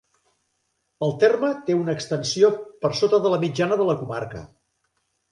El terme té una extensió per sota de la mitjana de la comarca.